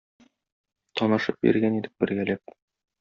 Танышып йөргән идек бергәләп...